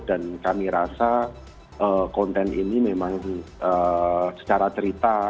dan kami rasa konten ini memang secara cerita